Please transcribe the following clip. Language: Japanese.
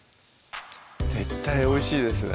絶対おいしいですね